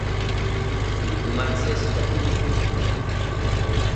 ډيپلومات سیاسي تحلیل لري .